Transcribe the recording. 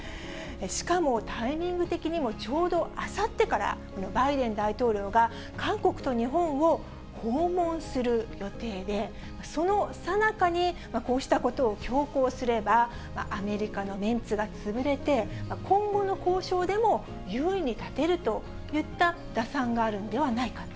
しかも、タイミング的にもちょうどあさってから、バイデン大統領が、韓国と日本を訪問する予定で、そのさなかにこうしたことを強行すれば、アメリカのメンツが潰れて、今後の交渉でも優位に立てるといった打算があるんではないか。